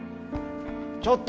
ちょっと！